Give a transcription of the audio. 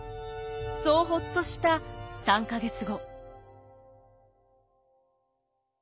そうほっとした３か月後。